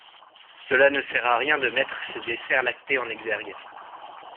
Cela ne sert à rien de mettre ces desserts lactés en exergue.